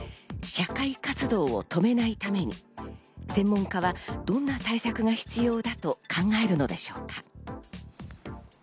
社会活動を止めないために専門家はどんな対策が必要だと考えるのでしょうか。